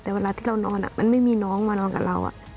แต่เวลาที่เรานอนมันไม่มีน้องมานอนกับเรา